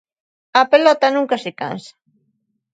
A pelota nunca se cansa.